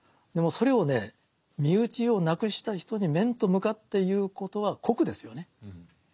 でもそれをね身内を亡くした人に面と向かって言うことは酷ですよね。